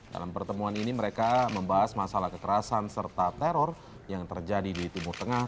dalam pertemuan ini mereka membahas masalah kekerasan serta teror yang terjadi di timur tengah